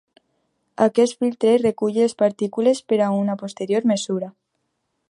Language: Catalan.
Aquest filtre recull les partícules per a una posterior mesura.